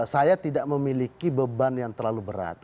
saya tidak memiliki beban yang terlalu berat